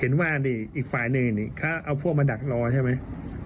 เห็นว่าอีกฝ่ายนึงเอาพวกมาดักรอใช่ไหม